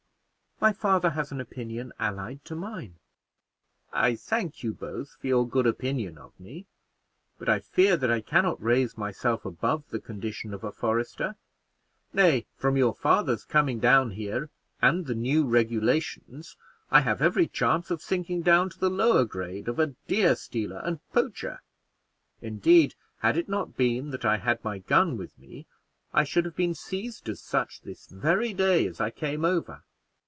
My father has an opinion allied to mine." "I thank you both for your good opinion of me, but I fear that I can not raise myself above the condition of a forester; nay, from your father's coming down here, and the new regulations, I have every chance of sinking down to the lower grade of a deer stealer and poacher; indeed, had it not been that I had my gun with me, I should have been seized as such this very day as I came over."